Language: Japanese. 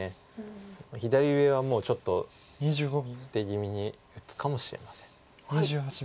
左上はもうちょっと捨てぎみに打つかもしれません。